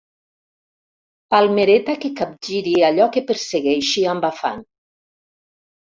Palmereta que capgiri allò que persegueixi amb afany.